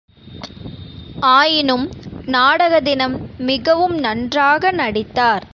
ஆயினும் நாடக தினம், மிகவும் நன்றாக நடித்தார்.